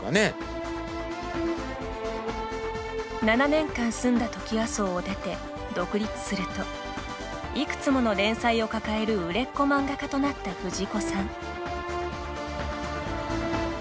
７年間住んだトキワ荘を出て独立するといくつもの連載を抱える売れっ子漫画家となった藤子さん。